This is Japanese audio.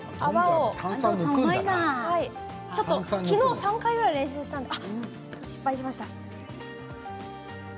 昨日、３回ぐらい練習したんですが失敗しました。